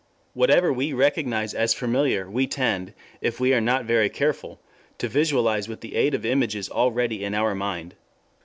Whatever we recognize as familiar we tend, if we are not very careful, to visualize with the aid of images already in our mind.